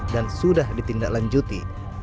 dan sudah ditindaklanjuti